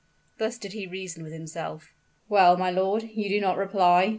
Thus did he reason with himself. "Well, my lord you do not reply?"